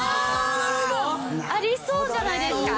ありそうじゃないですか？